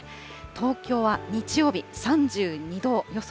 東京は日曜日、３２度予想。